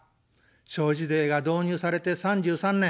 消費税が導入されて３３年。